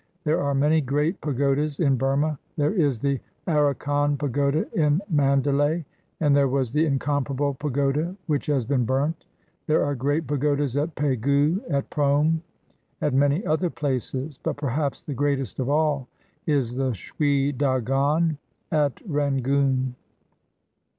There are many great pagodas in Burma; there is the Arakan pagoda in Mandalay, and there was the Incomparable pagoda, which has been burnt; there are great pagodas at Pegu, at Prome, at many other places; but perhaps the greatest of all is the Shwe Dagon at Rangoon.